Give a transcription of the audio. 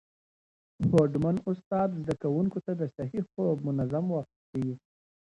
هوډمن استاد زده کوونکو ته د صحي خوب منظم وخت ښيي.